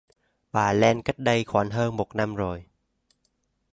Bà len cách đây khoảng hơn một năm rồi